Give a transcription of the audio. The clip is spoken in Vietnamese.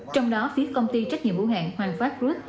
trong đó phía công ty trách nhiệm hữu hạng hoàng phát group